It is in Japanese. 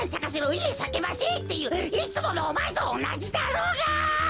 「いえさきません」っていういつものおまえとおなじだろうが！